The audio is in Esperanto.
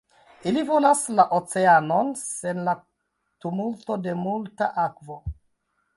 Ili volas la oceanon sen la tumulto de multa akvo.